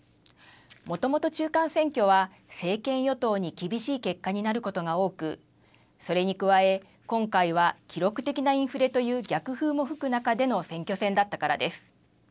もともと中間選挙は政権与党に厳しい結果になることが多くそれに加え今回は記録的なインフレという逆風も吹く中での選挙戦だったからです。